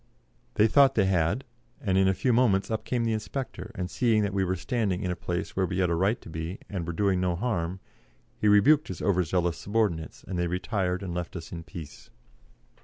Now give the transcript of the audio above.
They thought they had, and in a few moments up came the inspector, and seeing that we were standing in a place where we had a right to be, and were doing no harm, he rebuked his over zealous subordinates, and they retired and left us in peace.